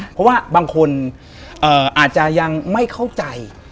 เพราะว่าบางคนอาจจะยังไม่เข้าใจ